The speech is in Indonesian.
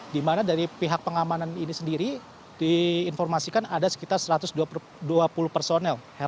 di mana dari pihak pengamanan ini sendiri diinformasikan ada sekitar satu ratus dua puluh personel